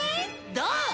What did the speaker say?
どう？